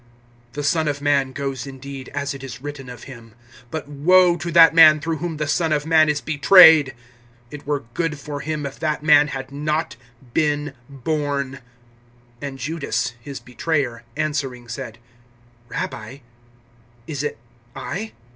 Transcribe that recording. (24)The Son of man goes indeed, as it is written of him; but woe to that man through whom the Son of man is betrayed! It were good for him, if that man had not been born. (25)And Judas, his betrayer, answering said: Rabbi, is it I?